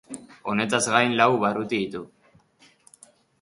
Honetaz gain lau barruti ditu.